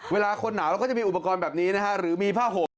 เวลาคนหนาวเราก็จะมีอุปกรณ์แบบนี้นะฮะหรือมีผ้าห่ม